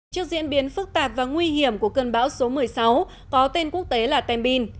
trước diễn biến phức tạp và nguy hiểm của cơn bão số một mươi sáu có tên quốc tế là tembin